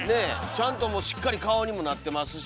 ちゃんともうしっかり顔にもなってますし。